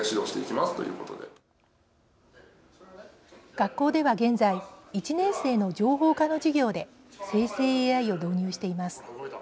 学校では現在１年生の情報科の授業で生成ＡＩを導入しています。